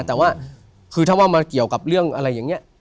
แต่ว่าคือถ้าว่ามาเกี่ยวกับเรื่องอะไรอย่างนี้